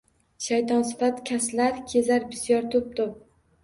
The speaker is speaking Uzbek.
Shaytonsifat kaslar kezar bisyor, toʼp-toʼp.